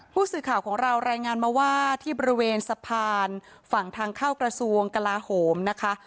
ผู้สื่อข่าวของเรารายงานมาว่าที่บริเวณสะพานฝั่งทางเข้ากระทรวงกลาโหมนะคะ